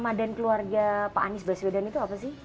ramadhan keluarga pak anies baswedan itu apa sih